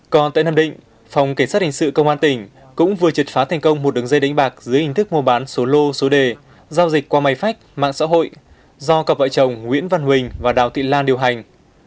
còn tại nam định phòng cảnh sát hình sự công an tỉnh cũng vừa triệt phá thành công một đường dây đánh bạc dưới hình thức mua bán số lô số đề giao dịch qua máy phách mạng xã hội do cặp vợ chồng nguyễn văn huỳnh và đào thị lan điều hành